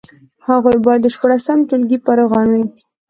هغوی باید د شپاړسم ټولګي فارغان وي.